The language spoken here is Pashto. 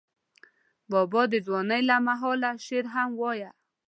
بابا د ځوانۍ له مهاله شعر هم وایه.